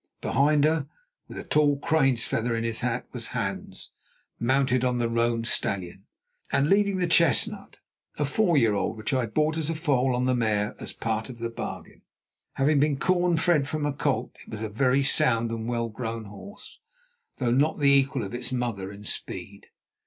Behind her, with a tall crane's feather in his hat, was Hans, mounted on the roan stallion, and leading the chestnut, a four year old which I had bought as a foal on the mare as part of the bargain. Having been corn fed from a colt it was a very sound and well grown horse, though not the equal of its mother in speed.